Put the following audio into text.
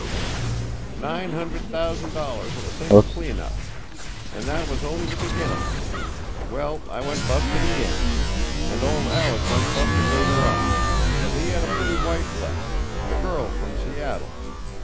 Nine hundred thousand dollars in a single clean up, and that was only the beginning. Well, I went busted again. And old Aleck went busted later on. But he had a pretty wife left. A girl from Seattle.